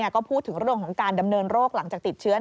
ก็พูดถึงเรื่องของการดำเนินโรคหลังจากติดเชื้อ